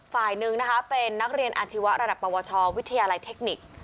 ฝ่ายหนึ่งนะคะเป็นนักเรียนอาชีวะระดับปวชวิทยาลัยเทคนิค